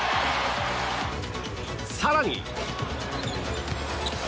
更に。